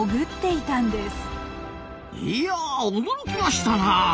いや驚きましたなあ！